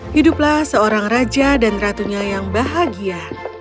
hiduplah seorang raja dan ratunya yang bahagia